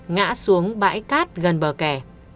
ngã xuống bãi cát gần bờ kè